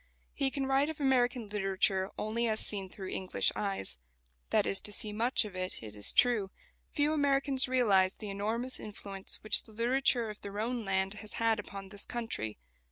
He can write of American literature only as seen through English eyes. That is to see much of it, it is true. Few Americans realise the enormous influence which the literature of their own land has had upon this country.